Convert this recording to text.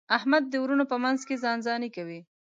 احمد د وروڼو په منځ کې ځان ځاني کوي.